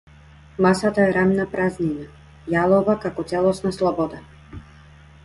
Масата е рамна празнина, јалова како целосна слобода.